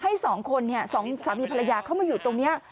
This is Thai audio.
ให้สองคนเนี่ยสามีภรรยาเข้ามาอยู่ตรงนี้